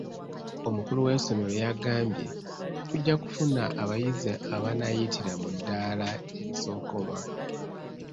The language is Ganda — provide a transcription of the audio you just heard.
Omukulu w'essomero yagambe; tujja kufuna abayizi abanaayitira mu ddaala erisooka omwaka guno.